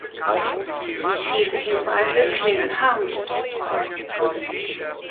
Diese Hinweise klingen harmlos.